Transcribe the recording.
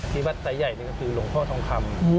ที่วัดสายใหญ่นี่ก็คือหลวงพ่อทองคำ